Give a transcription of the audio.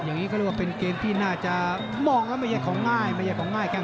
อย่างนี้ก็เรียกว่าเป็นเกมที่น่าจะมองแล้วไม่ได้ของง่ายแค่งซ้ายเตะนะ